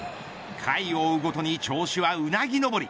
回を追うごとに調子はうなぎ上り。